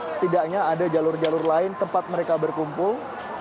setidaknya ada jalur jalur lain tempat mereka berkumpul